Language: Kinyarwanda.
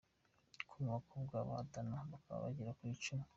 com, abakobwa bahatana bakaba bagera ku icumi.